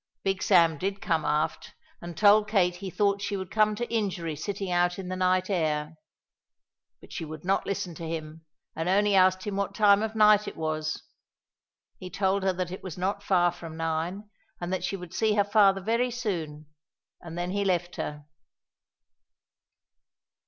Big Sam did come aft and told Kate he thought she would come to injury sitting out in the night air. But she would not listen to him, and only asked him what time of night it was. He told her that it was not far from nine, and that she would see her father very soon, and then he left her.